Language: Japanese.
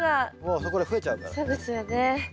そうですよね。